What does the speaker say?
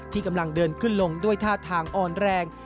กำลังเดินขึ้นลงด้วยท่าทางอ่อนแรง